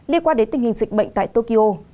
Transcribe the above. liên quan đến tình hình dịch bệnh tại tokyo